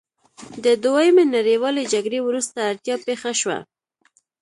د دویمې نړیوالې جګړې وروسته اړتیا پیښه شوه.